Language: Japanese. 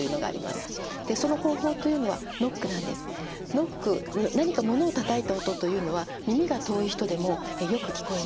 ノック何かモノを叩いた音というのは耳が遠い人でもよく聞こえます。